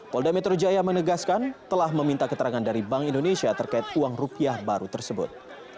polda metro jaya menegaskan telah meminta keterangan dari bank indonesia terkait uang rupiah baru tersebut